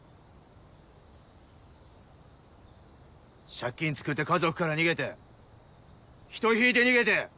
借金つくって家族から逃げて人ひいて逃げて。